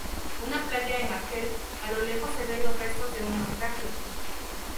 Una playa en Argel, a lo lejos se ven los restos de un naufragio.